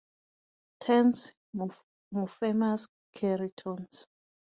Tense morphemes carry tones.